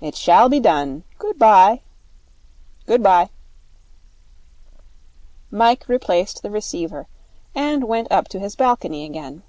'It shall be done. Good bye.' 'Good bye.' Mike replaced the receiver, and went up to his balcony again.